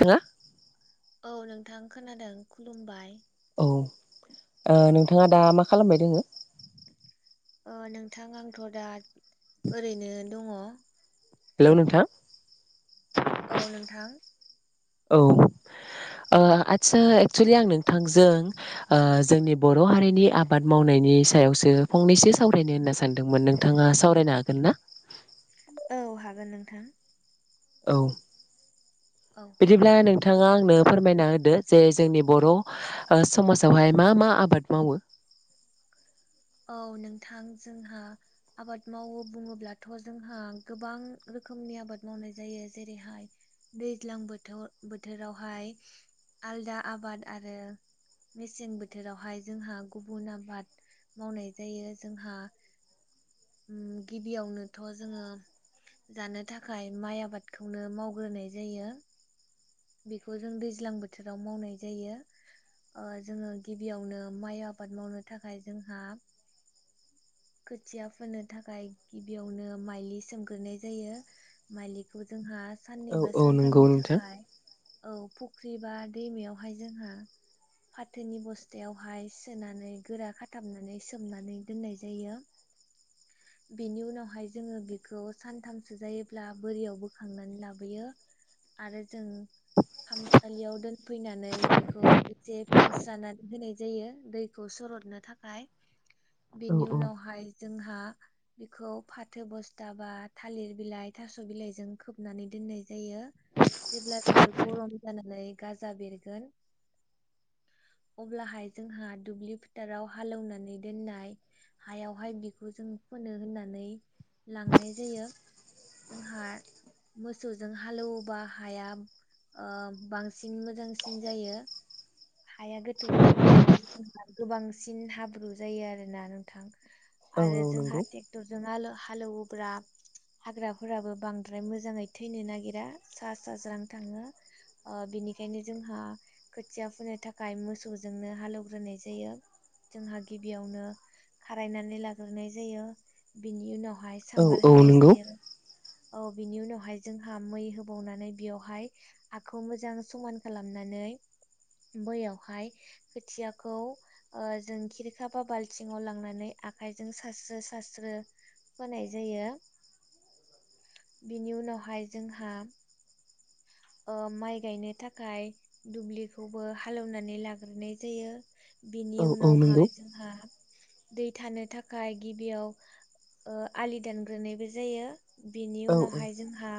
खोना औ नोंथां खोनादों खुलुमबाय। औ ओ नोंथाङा दा मा खालामबाय दोङो? ओ नोंथां आंथ' दा ओरैनो दङ। हेल' नोंथा। औ नोंथां। औ। ओ आदसा एक्सुलि आं नोंथांजों ओ जोंनि बर' हारिनि आबाद मावनाय बिनि सायावसो फंनैसो सावरायनो होनना सानदोंमोन। नोंथाङा सावरायनो हागोन ना? औ हागोन नोंथां। औ औ बिदिब्ला नों थाङा आंनो फोरमायना होदो जे जोंनि बर' ओ समाजावहाय मा-मा आबाद मावो। [inaudible] औ नोंथां जोंहा आबाद मावो बुङोब्लाथ' जोंहा गोबां रो खोमनि आबाद मावनाय जायो जेरैहाय दैज्लां बोथो बोथोरावहाय आलदा आबाद आरो मेसें बोथोरावहाय जोंहा गुबुन आबाद मावनाय जायो जोंहा। उम गिबियावनोथ' जोङो जानो थाखाय माइ आबादखौनो मावग्रोनाय जायो। बेखौ जों दैज्लां बोथोराव मावनाय जायो। ओ जोङो गिबियावनो माइ आबाद मावनो थाखाय जोंहा खोथिया फोनो थाखाय गिबियावनो माइलि सोमग्रोनाय जायो। माइलिखौ जोंहा साननै औ बा औ नंगौ सानथामनि नोंथां थाखाय औ फुख्रि बा दैमायावहाय जोंहा फाथोनि बस्थायावहाय सोनानै गोरा खाथामनानै सोमनानै दोननाय जा यो। बिनि उनावहाय जोङो बेखौ सानथामसो जायोब्ला बोरियाव बोखांनानै लाबोयो। आरो जों खामसालियाव दोनफैनानै बिखौ एसे फेनस्रानानै होनाय जायो दैखौ सर'नो थाखाय। औ बेनि औ उनावहाय जोंहा बिखौ फाथो बस्था बा थालिर बिलाइ थास बिला इजों खोबनानै दोननाय जायो। जेब्ला बियो गरम जानानै गाजा बेरगोन अब्लाहाय जोंहा दुब्लि फोथाराव हालेवनानै दोननाय हायावहाय बिखौ जों फोनो होननानै लांनाय जायो। जोंहा मोसौजों हालौबा हाया ओ बांसिन मोजांसिन जायो। हाया गोथौ गोथौ हाबनानै जोंबा गोबांसिन हाब्रु जायो आरोना थां औ आरो औ जोंहा नंगौ ट्रेक्टरजों हालेवोब्ला हाग्राफोराबो बांद्राय मोजाङै थैनो नागिरा सा सााज्रां थाङो ओ बिदि बेनिखायनो जोंहा खोथिया फोनो थाखाय मोसौजोंनो हालेवग्रोनाय जायो जोंहा गिबियावनो खारायनानै लाग्रोनाय जायो बिनि उनावहाय औ सामार औ होनाय नंगौ जायो औ बिनि उनावहाय जोंहा मै होबावनानै बेयावहाय आाखौ मोजां समान खालामनानै [unintelligible] बैयावहाय खोथियाखौ ओ जों खिरखा बा बाल्थिङाव लांना नै आखाइजों सास्रो सास्रो फोनाय जायो बिनि उनावहाय जोंहा ओ माइ गायनो थाखाय दुब्लिखौबो हालेवनानै लाग्रोनाय जायो बिनि औ औ नंगौ उनावहाय जोंहा दै थानो थाखाय गिबियाव आलि दानग्रोनायबो जायो बेनि औ उनावहाय जोंहा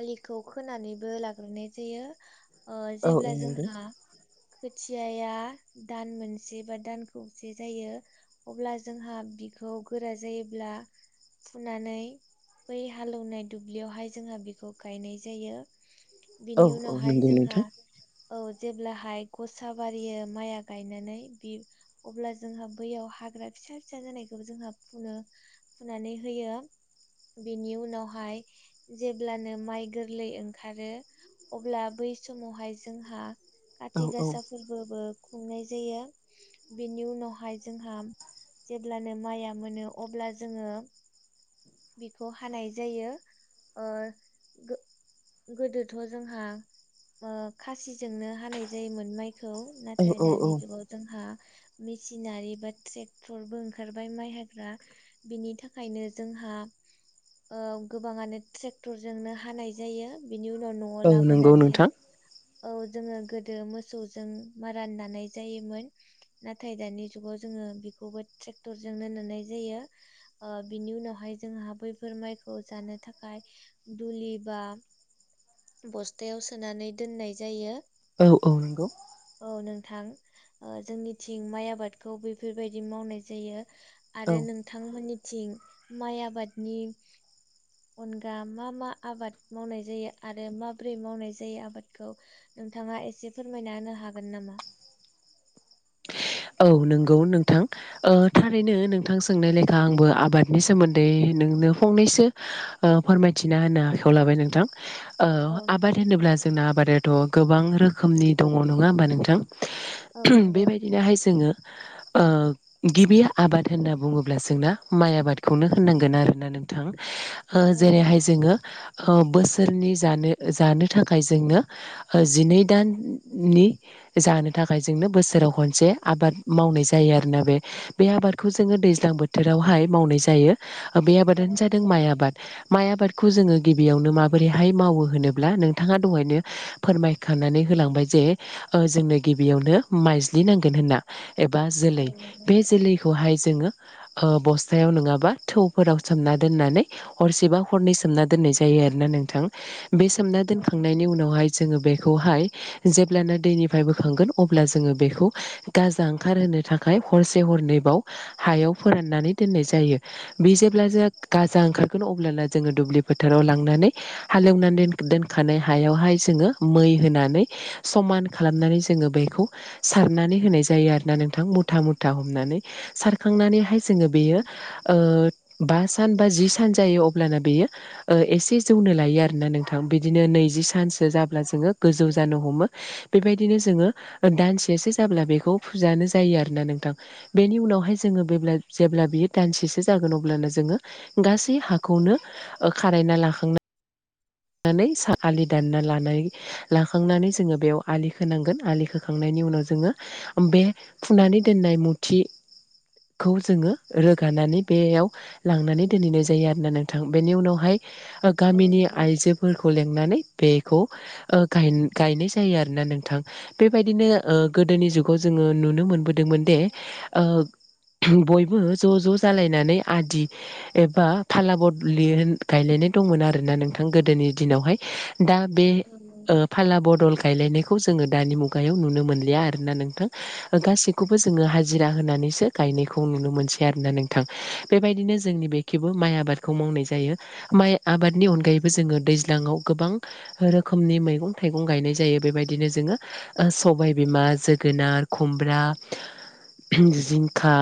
आलिखौ खोनानैबो लाग्रोनाय जायो ओ औ औ जेब्ला नंगौ जोंहा खोथियाया दान मोनसे बा दान खौसे जायो अब्ला जोंहा बि खौ गोरा जायोब्ला फुनानै बै हालौनाय दुब्लियावहाय जोंहा बेखौ गाय औ बिनि औ उनावहाय नंगौ नोंथां जोंहा औ जेब्लाहाय गसा बारियो माइआ गायनानै बि अब्ला जोंहा बैयाव हाग्रा फिसा फिसा जानायखौबो जोंहा फुनो फुनानै होयो बेनि उनावहाय जेब्लानो माइ रलै ओंखारो अब्ला बै समावहाय जोंहा औ कथि औ गासा फोरबोबो खुंनाय जायो बेनि उनावहाय जोंहा जेब्लानो माइया मोनो अब्ला जोङो बेखौ हानाय जायो ओ गोदोथ जोंहा खासिजोंनो हानाय जायोमोन माइ खौ नाथाय औ औ औ दानि जुगाव जोंहा मेसिनारि बा ट्रेक्टरबो ओंखारबाय माइ हाग्रा बिनि थाखायनो जों गोबाङानो ट्रेक्टरजोंनो हानाय जायो बिनि उनाव न'आव औ नंगौ लाबोनानै नोंथां औ जोङो गोदो मोसौजों मारान लानाय जायोमोन नाथाय दानि जुगाव जोङो ट्रेक्टर जोंनो ननाय जायो ओ बिनि उनावहाय जोंहा बैफोर माइखौ जानो थाखाय दुलि बा बस्थायाव सोनानै दोननाय जायो औ औ नंगौ जोंनि थिं माइ आबादखौ बेफोरबायदि मावनाय जायो औ आरो नोंथांमोननि थिं माइ आबादनि अनगा मा मा आबाद मावनाय जायो आरो माब्रै मावनाय जायो आबादखौ नोंथाङा एसे फोरमायना होनो हागोन नामा? औ नंगौ नोंथां ओ थारैनो नोंथां सोंनाय लेखा आंबो आबादनि सोमोन्दै नोंनो फंनैसो फोरमायथिना होनो आखायाव लाबाय नोंथां ओ औ आबाद नोंथां होनोब्ला जोंना आबादाथ' गोबां रोखोमनि दङ नङा होमबा नोंथां? औ नंगौ बेबायदिनोहाय जोङो ओ गिबि आबाद होनना बुङोब्ला जोंना माइ आबादखौनो होननांगोन आरो नोंथां ओ औ जेरैहाय जोङो बोसोरनि जानो जानो थाखाय जोंनो जिनै दाननि जानो थाखाय जोंनो बोसोराव खनसे आबाद मावनाय जायो आरोना बे बे आबादखौ जोङो दैज्लां बोथोरावहाय मावनाय जायो बे औ आबादानो जादों नंगौ माइ आबाद माइ आबादखौ जोऔङो गिबियावनो माबोरैहाय मावो होनोब्ला नोंथाङा दहायनो फोरमायखानानै होलांबाय जे जोंनो गिबियावनो माइज्लि नांगोन होनना। एबा जोलै औ नंगौ बे जोलैखौहाय जोऔङो ओ बस्थायाव नङाबा थौफोराव सोमना दोननानै हरसेबा हरनै सोमना दोननाय जायो। आरोना नोंथां बे सोमना औ दोनखांनायनि नंगौ उनावहाय जोङो बेखौहाय जेब्लानो दैनिफ्राय बोखांगोन अब्ला जोऔङो बेखौ गाजा ओंखारहो थाखाय हरसे हरनैबाव हायाव फोराननानै दोननाय जायो बे जे गाजा गाजा ओंखारगोन अब्लानो जोंङो दुब्लि फोथाराव लांनानै हालौनानै दोनखानाय हा हायावहाय जोंङो मै होनानै समान खालामनानै जोंङो बेखौ सारनानै होनाय जायो। जायो आरोना नोंथां मुथा मुथा हमनानै सा खांनानैहाय औ जोंङो बेयो नंगौ ओ बास सान बा जि सान जायो अब्लाना बेयो एसे जौनो लायो आरोना नोंथां बिदिनो नैजि सानज्ञ जाब्ला जोंङो गोजौ जानो हमो बेबायदिनो जोङो दानसेसो जाब्ला बेखौ फुजानो जायो आरोना नोंथां बेनि उनावहाय जोंङोब्ला जेब्ला बियो दानसेसो जागोन अब्लानो जों गासै हाखौनो खारायना लाखांना दाननानै आलि दानना लानानै लाखांनानै जोंङो बेयाव आलि होनांगोन आलि खोखांनायनि नि उनाव जोंङो बे फुनानै दोननाय मुथि खौ जोंङो रोगानानै बेयाव लांनानै दोनहैनाय जायो आरोना नोंथां बेनि उनावहाय औ गामिनि नंगौ आइजोफोरखौ लेंनानै बेखौ गायनाय जायो आरोना नोंथां बेबायदिनो ओ गोदोनि जुगाव जों ओ नुनो मोनबोदोंमोन दे ओ बयबो ज' ज' जालाय नानै आदि एबा खाला बदलि गायलाय दंमोन आरोना नोंथां गोदोनि दिनावह दा बे औ नंगौ औ नंगौ फाला बदल गायलायनायखौ जोंङो दानि मुगायाव नुनो मोनलिया आरोना नोंथां गासैखौबो जोङो हाजिरा होनानैसो गाय नुनो मोनसै आरोना नोंथां बेबायदिनो जोंनि बेेबो माइ आबादखौ मावनाय जायो माइ आबादनि अनगायैबो जोंङो दैज्लाङाव गोबां रोखोमनि मैगं थाइगं गायनाय जायो बेबायदिनो जोंङो ओ सबायबिमा जोगोनार खुमब्रा जिंखा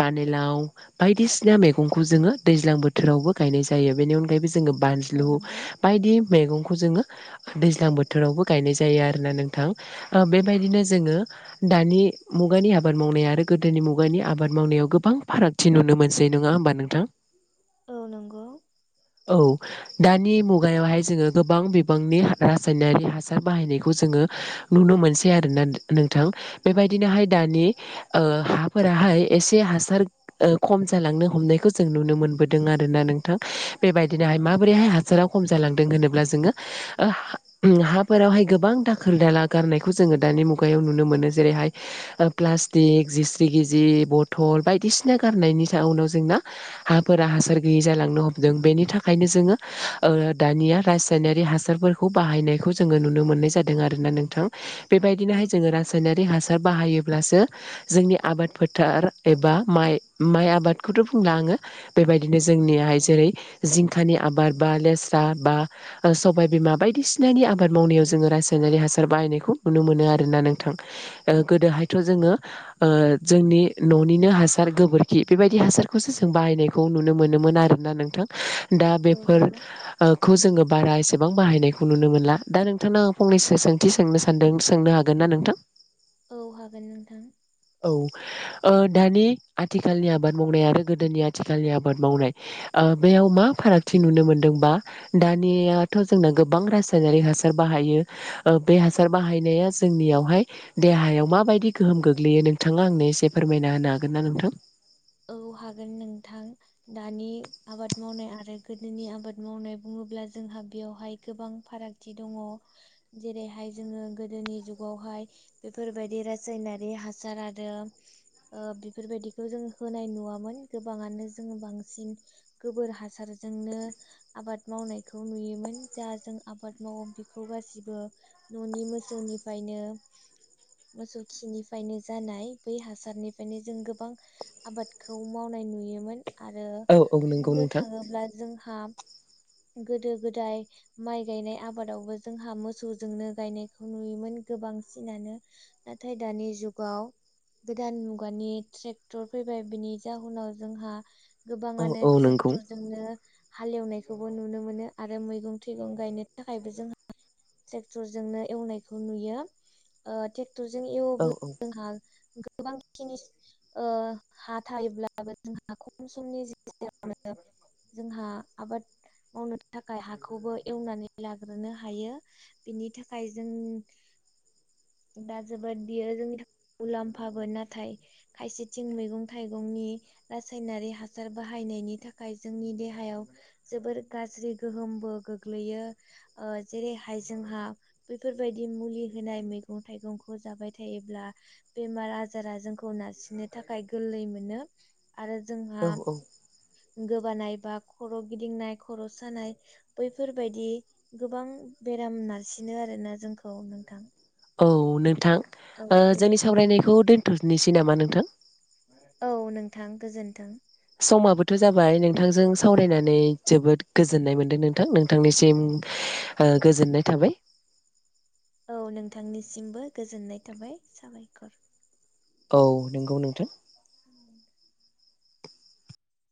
पानिलाव बायदिसिना मैगंखौ जोंङो दैज्लां बोथोरावबो गायनाय जायो बेनि अनगायैबो जोंङो बा औ फान्लु नंगौ बायदि मैगंखौ जोंङो दैज्लां बोथोरावबो गायनाय जायो आरोना नोंथां बेबायदिनो जोंंङो दानि मुगानि आबाद मावनाय आरो गोदोनि मुगानि आबाद मावनायाव गोबां फारागथि नुनो मोनसै नङा होमबा नोंथां? औ नंगौ औ दानि मुगायावहाय जोंङो गोबां बिबांनि रासायनारि हासार बाहायनायखौ जोङो नुनो मो मोनसै आरोना नोंथां बेबायदिनोहाय दानि हाफोराहाय एसे हासार खम जालांनो हमनायखौ जों नुनो मोनबोदों आरोना नोंथां बेबायदिनोहाय माबोरैहाय हासारा खम जालांदों होनोब्ला जोंङो हाफोरावहाय गोबां दाखोल दाला गारनायखौ जोंङो दानि मुगायाव नुनो मोनो जेरैहाय प्लास्टिक जिस्रि गिजि बथल बायदि सिना गारनायनि जाउनाव जोंना हाफोरा हासार गैयै जालांनो हमदों बेनि थाखायनो जोंङो ओ दानिया रासायनारि हासारफोरखौ बाहायनायखौ जोंङो नुनो मोननाय जादों आरोना नोंथां। बेबायदिनोहाय जोंङो रासायनारि हासार बाहायोब्लासो जोंनि आबाद फोथार एबा माइ माइ आबादखौथ' बुंला आंङो बेबायदिनो जों जोंनिहाय जेरै जिंखानि आबाद बा लेस्रा बा सबायबिमा बायदिसिनानि आबाद मावनायाव जोङो रासायनारि हासार बाहायनायखौ नुनो मोनो आरोना नोंथां गोदोहायथ' जोङो ओ जोंनि न'निनो हा सार गोबोरखि बेबायदि हासारखौसो जों बाहायनायखौ नुनो मोनोमोन आरोना नोंथां। दा औ नंगौ बेफोरखौ जोंङो बारा एसेबां बाहायनायखौ नुनो मोनला दा नोंथांनाव आं फंनैसो सोंथि सोंनो सानदों सोंनो हागोन ना नोंथां? औ हागोन नोंथां। औ ओ दानि आथिखालनि आबाद मावनाय आरो गोदोनि आथिखालनि आबाद मावनाय ओ बेयाव मा फारागथि नुनो मोनदोंबा दानियाथ' जोंना गोबां रासायनारि हासार बाहायो बे हासार बाहायनाया जोंनियावहाय देहायाव मा बायदि गोहोम गो ग्लैयो नोंथाङा आंनो एसे फोरमायना होनो हागोन ना नोंथां औ हागोन नोंथां दानि आबाद मावनाय आरो गोदोनि आबाद मावनाय बुङो ब्ला जोंहा बेयावहाय गोबां फारागथि दङ जेरैहाय जोङो गोदोनि जुगाव बेवहाय बेफोरबायदि रासायनारि हासार आरो ओ बेफोरबायदिखौ जों होनाय नुवामोन गोबाङानो जोङो बांसिन गोबोर हासारजोंनो आबाद मावनायखौ नुयोमोन जा जों आबाद मावो बेखौ गासिबो न'नि मोसौनिफ्रायनो ओ मोसौ खिनिफ्रायनो जानाय बै हासारनिफ्रायनो जों गोबां आबादखौ मावनाय नुयोमोन आरो औ औ नंगौ बुंनो नोंथां थाङोब्ला जोंहा [inaudible] गोदो गोदाय माइ गायनाय आबादावबो जोंहा मोसौजोंनो गायनायखौ नुयोमोन गोबां। बांसिनानो नाथाय दानि जुगाव गोदान मुगानि ट्रेक्टर फैबाय बिनि जाहोनाव जोंहा औ गोबाङानो औ नंगौ ट्रेक्टरजोंनो हालेवनायखौबो नुनो मोनो आरो मैगं थाइगं गायनो थाखायबो जोंहा ट्रेक्टरजोंनो एवनायखौ नुयोे ओ ट्रे क्टरजों औ एवोब्ला जोंहा गोबांखिनि ओ हा थायोब्लाबो जोंहा खम समनि गेजेरावनो जोंहा आबाद मावनो थाखाय हाखौबो एवनानै लाग्रोनो हायो। बिनि थाखाय जों दा जोबोद बियो जोंनि थाखाय मुलाम्फाबो नाथाय खायसेथिं मैगं थाइगंनि रासायनारि हासार बाहायनाय नि थाखाय जोंनि देहायाव जोबोर गाज्रि गोहोमबो गोग्लैयो ओ जेरै जोंहा बेैफोरबायदि मुलि होनाय मैगं थाइगंखौ जाबाय थायोब्ला बे मार आजारा जोंखौ नारसिननो थाखाय गोरलै मोनो आरो जोंहा औ औ गोबानाय बा खर' गिदिंनाय खर' सानाय बैफोरबायदि गोबां बेराम नारसिनो आरोना जोंखौ नोंथां औ नोंथां औ ओ जोंनि बेबायदिनो सावरायनायखौ दोनथ'नोसै नामा नोंथां औ नोंथां गोजोन्थों समाबोथ' जाबाय नोंथांजों सावरायनानै जोबोद गोजोननाय मोन्दों नोंथां नोंथांनिसिम ओ गोजोननाय थाबाय औ नोंथांनिसिमबो गोजोननाय थाबाय साबायखर औ नंगौ नोंथां